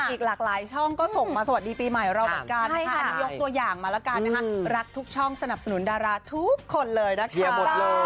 อีกหลากหลายช่องก็ส่งมาสวัสดีปีใหม่เราเหมือนกันนะคะอันนี้ยกตัวอย่างมาแล้วกันนะคะรักทุกช่องสนับสนุนดาราทุกคนเลยนะคะ